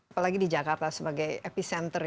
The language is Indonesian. apalagi di jakarta sebagai epicenter ya